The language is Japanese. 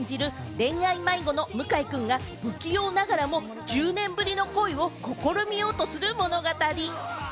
恋愛迷子の向井くんが、不器用ながらも１０年ぶりの恋を試みようとする物語。